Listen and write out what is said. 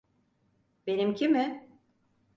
Benimki mi?